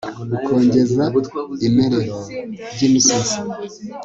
ukongeza imerero ry'imisozi